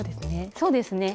そうですね。